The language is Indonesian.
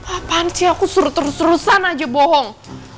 apaan sih aku surut terus terusan aja bohong